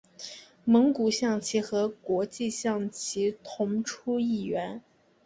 蒙古象棋和国际象棋同出一源。